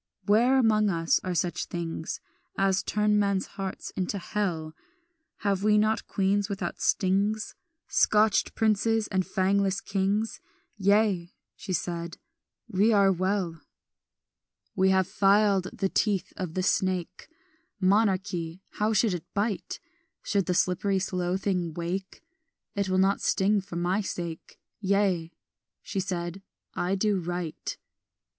"Where among us are such things As turn men's hearts into hell? Have we not queens without stings, Scotched princes, and fangless kings? Yea," she said, "we are well. "We have filed the teeth of the snake Monarchy, how should it bite? Should the slippery slow thing wake, It will not sting for my sake; Yea," she said, "I do right."